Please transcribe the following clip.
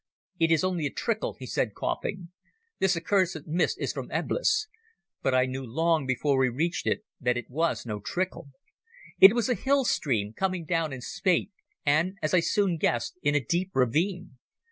"It is only a trickle," he said, coughing. "This accursed mist is from Eblis." But I knew long before we reached it that it was no trickle. It was a hill stream coming down in spate, and, as I soon guessed, in a deep ravine.